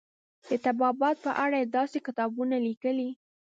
د طبابت په اړه یې داسې کتابونه لیکلي.